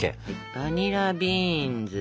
バニラビーンズ。